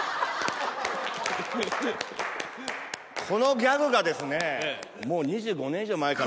このギャグがですね。